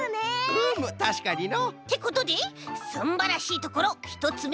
うむたしかにの。ってことですんばらしいところひとつめは。